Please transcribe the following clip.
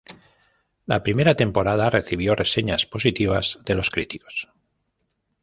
La primera temporada recibió reseñas positivas de los críticos.